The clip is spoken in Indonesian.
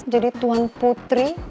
jadi tuan putri